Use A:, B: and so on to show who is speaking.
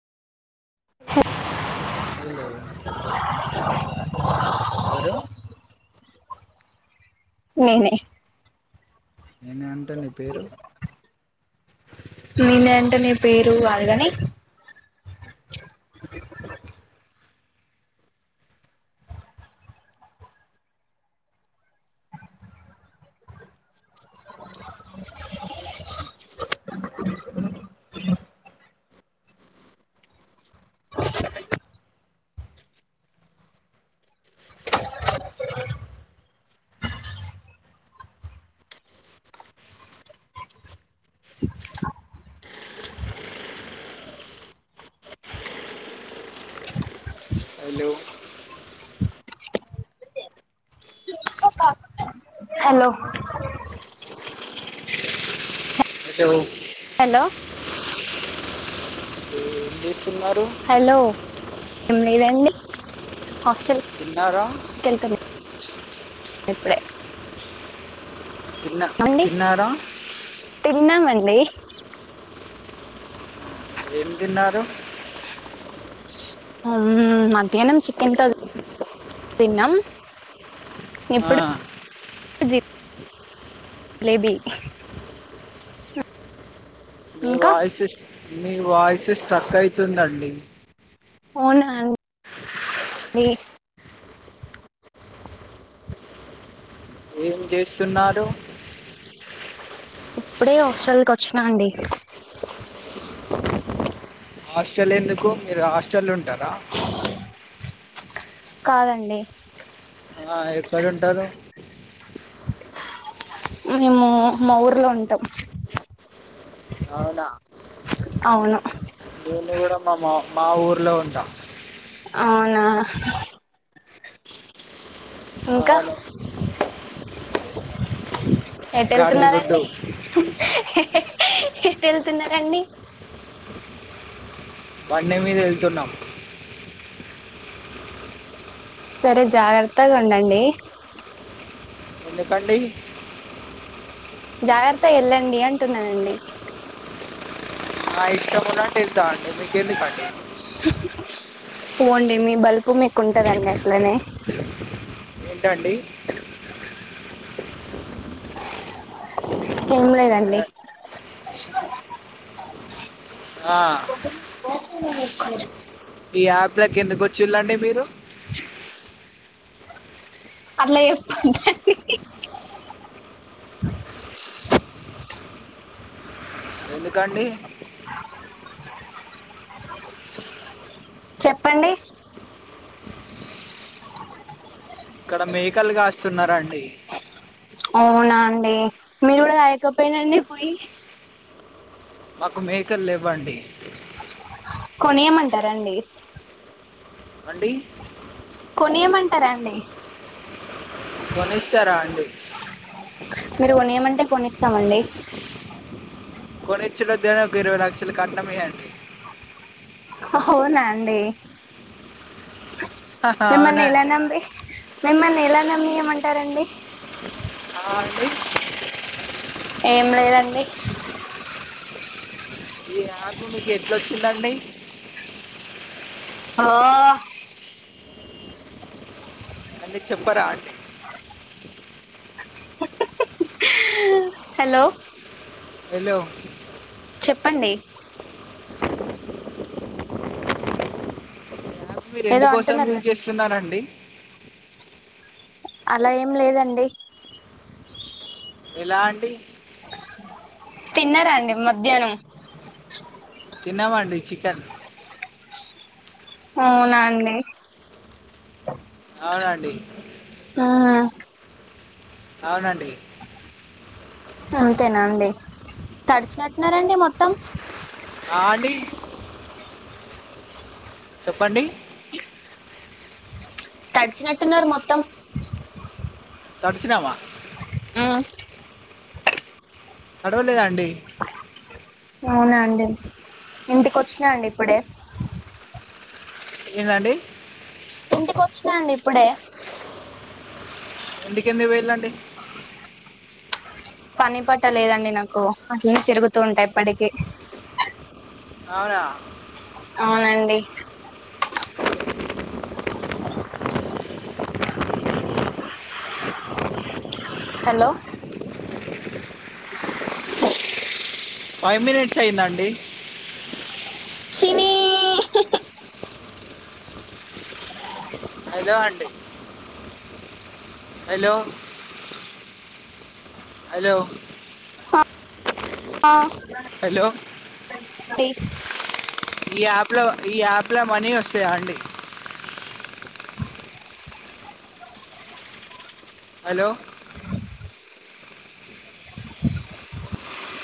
A: hello ఎవరు
B: నేనే
A: నేనే అంట నీ పేరు
B: మినెంటనే పేరు వాళ్లదని
A: హలో
B: హలో
A: ఏదో
B: హలో
A: ఏం చేస్తున్నారు
B: హలో ఏం లేదండి హాస్టల్
A: తిన్నారా
B: ఇప్పుడే
A: తిన్నా
B: అండి
A: తిన్నారా
B: తిన్నామండి
A: ఏం తిన్నారు
B: మ్మ్ మధ్యానం చికెన్ తో తిన్నాం
A: ఆ
B: ఇప్పుడు జిలేబీ
A: మీ
B: ఇంకా
A: వాయిస్ మీ వాయిస్ స్ట్రక్ అయితుందండి
B: అవునా అండి
A: ఏం చేస్తున్నారు
B: ఇప్పుడే హాస్టల్ కి వచ్చినా అండి
A: హాస్టల్ ఎందుకు మీరు హాస్టల్లో ఉంటారా
B: కాదండి
A: ఆ ఎక్కడ ఉంటారు
B: మ్మ్ మా మా ఊర్లో ఉంటాం
A: అవునా
B: అవును
A: నేను కూడా మా మా ఊరిలో ఉంటా
B: అవునా ఇంకా
A: అవును
B: ఎటు
A: గాడిదిగుడ్డు
B: ఎళ్తున్నారండి ఎటు వెళ్తున్నారండి
A: బండి మీద వెళ్తున్నాం
B: సరే జాగ్రత్తగా ఉండండి
A: ఎందుకండి
B: జాగ్రత్త వెళ్ళండి అంటున్నానండి
A: నా ఇష్టమున్నటు వెళ్తామండి మీకేందుకు అండి
B: పో అండి మీ బలుపు మీకు ఉంటదండి అట్లనే
A: ఏంటండి
B: ఏం లేదండి
A: ఆ
B: మ్మ్ కొంచెం
A: ఈ యాప్లోకి ఎందుకు వచ్చిళ్ళండి మీరు
B: అట్లా ఎప్పుడు [inaudible]
A: ఎందుకండి
B: చెప్పండి
A: ఇక్కడ మేకలు కాస్తున్నారండి
B: అవునా అండి మీరు కూడా కాయకపోయినండి పోయి
A: మాకు మేకలు లేవండి
B: కొనియమంటరాండి
A: అండి
B: కొనియమంటరా అండి
A: కొనిస్తారా అండి
B: మీరు కొనియమంటే కొనిస్తామండి
A: కొనిచ్చుడు వద్దు కానీ ఒక ఇరవై లక్షలు కట్నమియండి
B: అవునాండి మిమ్మల్ని ఎలా
A: అవునండి
B: నమ్మి మిమ్మల్ని ఎలా నమ్మియామంటారండి
A: ఆ అండి
B: ఏం లేదండి
A: ఈ యాపు మీకు ఎట్లొచ్చిందండి
B: ఓ
A: అంటే చెప్పరాండి
B: హలో
A: హలో
B: చెప్పండి
A: ఈ మీరు
B: ఏదో
A: ఎందుకోసం
B: అంటున్నారు కదా
A: యూజ్ చేస్తున్నారండి
B: అలా ఏం లేదండి
A: ఎలా అండి
B: తిన్నారాండి మధ్యాహ్నం
A: తిన్నామండి చికెన్
B: అవునాండి
A: అవునండి
B: ఉమ్మ్
A: అవునండి
B: అంతేనాండి తడిచినట్టున్నారండి మొత్తం
A: ఆ అండి చెప్పండి
B: తడిచినట్టున్నారు మొత్తం
A: తడిసినామా
B: ఆ
A: తడవలేదా అండి
B: అవునా అండి ఇంటికి వచ్చినా అండి ఇప్పుడే
A: ఏందండి
B: ఇంటికి వచ్చినండి ఇప్పుడే
A: ఇంటికి ఎందుకు పోయిళ్ళండి
B: [inaudible] పని పాటలేదండి నాకు అట్లనే తిరుగుతూ ఉంటా ఎప్పటికి
A: అవునా
B: అవునండి [inaudible] హలో
A: ఫైవ్ మినిట్స్ అయీదండి
B: చినీ [inaudible]
A: హలో అండి హలో హలో
B: అ ఆ
A: హలో
B: టీ
A: ఈ యాప్లో మనీ వస్తాయా అండి.. హలో